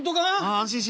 安心しろ。